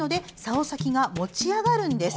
お先が持ち上がるんです。